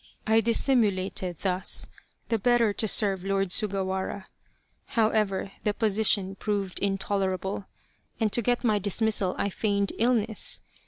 I dissimulated thus, the better to serve Lord Sugawara. However, the position proved intolerable, and to get my dismissal I feigned illness.